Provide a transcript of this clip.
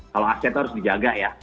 kalau aset itu harus dijaga ya